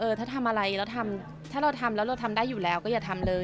ถ้าทำอะไรเราทำถ้าเราทำแล้วเราทำได้อยู่แล้วก็อย่าทำเลย